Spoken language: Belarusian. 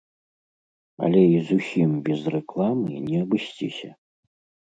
Але і зусім без рэкламы не абысціся.